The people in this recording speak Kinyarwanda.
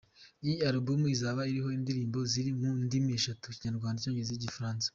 Iyi album izaba iriho indirimbo ziri mu ndimi eshatu; Ikinyarwanda, Icyongereza n’Igifaransa.